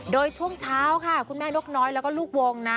โดยช่วงเช้าค่ะคุณแม่นกน้อยแล้วก็ลูกวงนะ